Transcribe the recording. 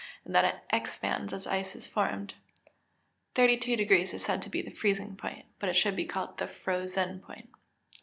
and then it expands as ice is formed. 32 deg. is said to be the freezing point, but it should be called the frozen point.